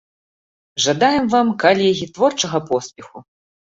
Жадаем вам, калегі, творчага поспеху!